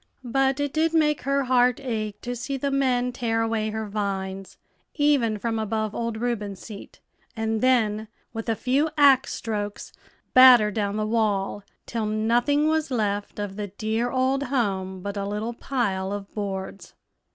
But it did make her heart ache to see the men tear away her vines, even from above old Reuben's seat, and then, with a few axe strokes, batter down the wall, till nothing was left of the dear old home but a little pile of boards.